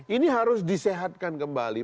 ini harus disehatkan kembali